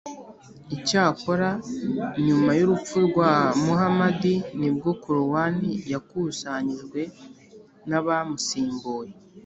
icyakora, nyuma y’urupfu rwa muhamadi ni bwo korowani yakusanyijwe n’abamusimbuye